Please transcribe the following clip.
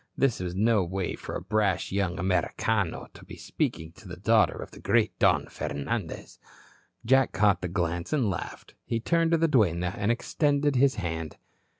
This was no way for a brash young Americano to be speaking to the daughter of the great Don Fernandez. Jack caught the glance and laughed. He turned to the duenna and extended his hand.